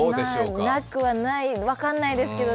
まあなくはない、分からないですけど。